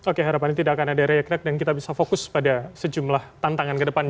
oke harapannya tidak akan ada reak reakt dan kita bisa fokus pada sejumlah tantangan ke depan